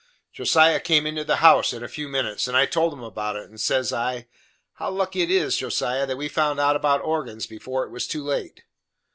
Josiah came into the house in a few minutes, and I told him about it, and says I: "How lucky it is Josiah, that we found out about organs before it was too late."